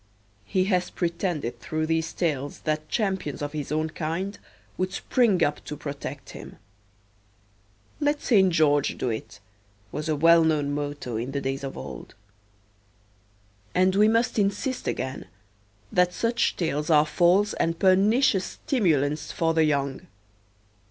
He has pretended through these tales that champions of his own kind would spring up to protect him. "Let St. George do it," was a well known motto in the days of old. And we must insist again that such tales are false and pernicious stimulants for the young.